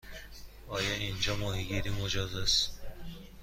آیا اینجا ماهیگیری مجاز است؟